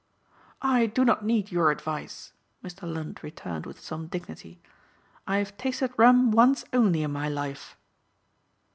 "I do not need your advice," Mr. Lund returned with some dignity. "I have tasted rum once only in my life."